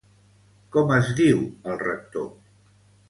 Com es diu el rector?